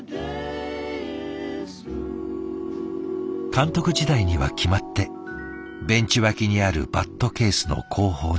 監督時代には決まってベンチ脇にあるバットケースの後方に立った。